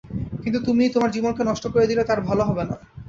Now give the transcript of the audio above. কিন্তু তুমি তোমার জীবনকে নষ্ট করে দিলে তার ভালো হবে না।